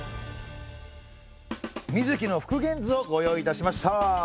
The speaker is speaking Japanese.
水城の復元図をご用意いたしました。